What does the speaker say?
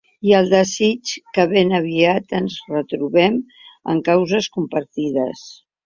I el desig que ben aviat ens retrobem en causes compartides.